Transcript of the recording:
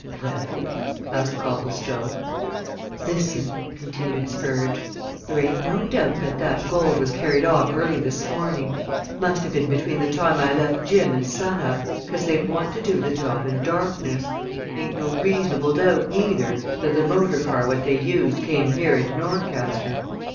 "Well?" asked Copplestone. "Listen!" continued Spurge. "There ain't no doubt that that gold was carried off early this morning must ha' been between the time I left Jim and sun up, 'cause they'd want to do the job in darkness. Ain't no reasonable doubt, neither, that the motor car what they used came here into Norcaster.